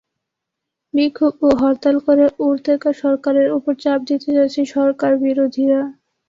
বিক্ষোভ ও হরতাল করে ওর্তেগা সরকারের ওপর চাপ দিতে চাইছে সরকারবিরোধীরা।